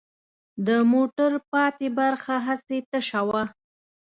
د موټر پاتې برخه هسې تشه وه.